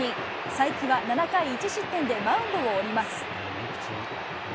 才木は７回１失点でマウンドを降ります。